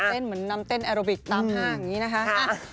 เหมือนนำเต้นแอโรบิกตามห้างอย่างนี้นะคะ